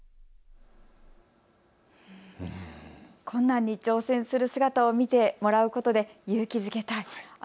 困難に挑戦する姿を見てもらうことで勇気づけたい。